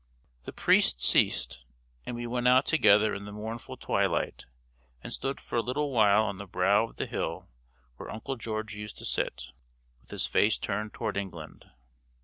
The priest ceased, and we went out together in the mournful twilight, and stood for a little while on the brow of the hill where Uncle George used to sit, with his face turned toward England.